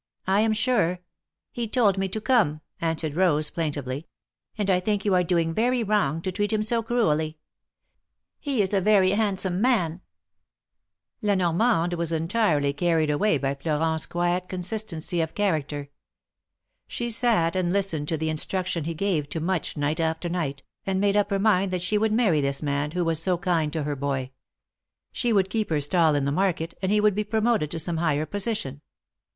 I am sure —" He told me to come," answered Rose, plaintively, ^^and I think you are doing very wrong, to treat him so cruelly ! He is a very handsome man." THE MARKETS OF PARIS. 249 La Normande was entirely carried away by Florent's quiet consistency of character. She sat and listened to the instruction he gave to Much night after night, and made up her mind that she would marry this man, who was so kind to her boy ; she would keep her stall in the market, and he would be promoted to some higher position.